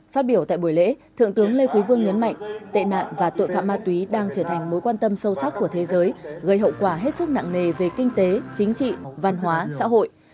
phát biểu tại buổi lễ thượng tướng lê quý vương nhấn mạnh tệ nạn và tội phạm ma túy đang trở thành mối quan tâm sâu sắc của thế giới gây hậu quả hết sức nặng nề về kinh tế chính trị văn hóa xã hội